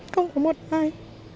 không có một ai